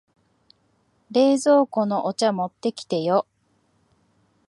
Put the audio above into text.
冷蔵庫のお茶持ってきてよ。